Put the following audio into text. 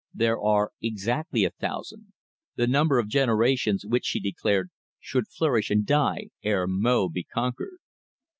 There are exactly a thousand the number of generations which, she declared, should flourish and die ere Mo be conquered."